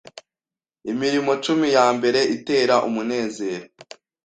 imirimo cumi ya mbere itera umunezero